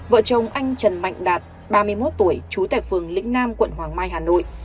vợ chồng anh trần mạnh đạt ba mươi một tuổi trú tại phường lĩnh nam quận hoàng mai hà nội